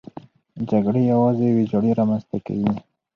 جګړې یوازې ویجاړي رامنځته کوي.